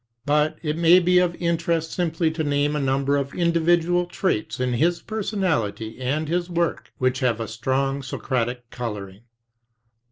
But it may be of interest simply to name a number of individual traits in his personality and his work which have a strong Socratic coloring.